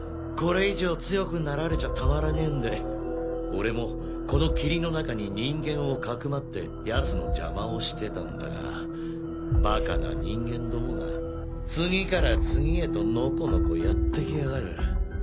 これ以上強くなられちゃたまらねえんで俺もこの霧の中に人間をかくまってやつの邪魔をしてたんだがバカな人間どもが次から次へとのこのこやって来やがる。